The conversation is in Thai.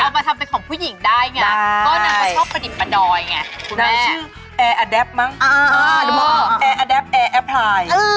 เอามาทำเป็นของผู้หญิงได้ไงได้